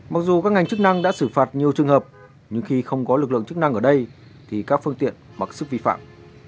mặc dù các ngành chức năng đã xử phạt nhiều trường hợp nhưng khi không có lực lượng chức năng ở đây thì các phương tiện mặc sức vi phạm